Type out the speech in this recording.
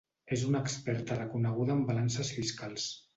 És una experta reconeguda en balances fiscals.